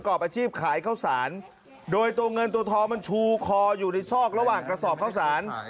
อาชีพขายข้าวสารโดยตัวเงินตัวทองมันชูคออยู่ในซอกระหว่างกระสอบข้าวสาร